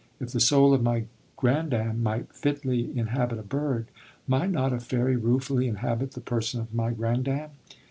If the soul of my grandam might fitly inhabit a bird, might not a Fairy ruefully inhabit the person of my grandam?